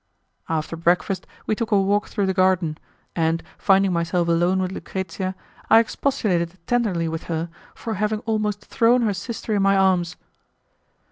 After breakfast we took a walk through the garden, and, finding myself alone with Lucrezia, I expostulated tenderly with her for having almost thrown her sister in my arms.